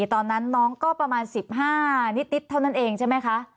ตอนนั้นน้องก็ประมาณ๑๕นิดเท่านั้นเองใช่ไหมคะ